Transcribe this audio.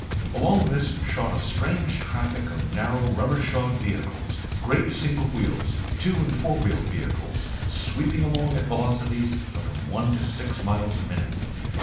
Along this shot a strange traffic of narrow rubber shod vehicles, great single wheels, two and four wheeled vehicles, sweeping along at velocities of from one to six miles a minute.